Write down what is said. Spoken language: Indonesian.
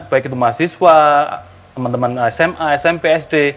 baik itu mahasiswa teman teman sma smp sd